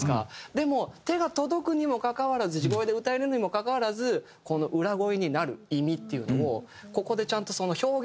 でも手が届くにもかかわらず地声で歌えるにもかかわらずこの裏声になる意味っていうのをここでちゃんとその表現としてやってる。